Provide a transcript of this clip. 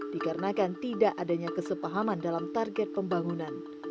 dikarenakan tidak adanya kesepahaman dalam target pembangunan